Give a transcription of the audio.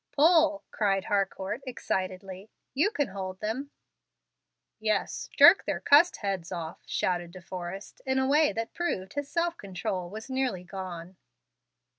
"Pull," cried Harcourt, excitedly; "you can hold them." "Yes, jerk their cursed heads off," shouted De Forrest, in a way that proved his self control was nearly gone.